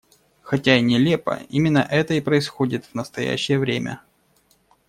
Хотя и нелепо, именно это и происходит в настоящее время.